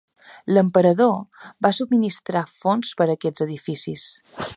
L'emperador va subministrar fons per a aquests edificis.